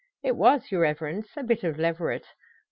"It was, your Reverence, a bit of leveret."